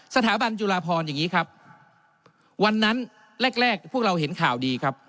สถาบันจุฬาพรอย่างนี้ครับวันนั้นแรกแรกพวกเราเห็นข่าวดีครับ